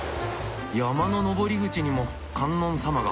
山の登り口にも観音様が。